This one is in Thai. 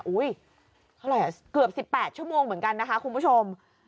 อุ๊ยเกือบ๑๘ชั่วโมงเหมือนกันนะคะคุณผู้ชม